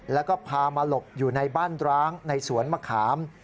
แล้วก็พามาหลบอยู่ในบ้านร้างในสวนมะขาม